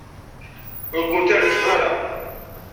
Ur kent-iɛejjeb ara.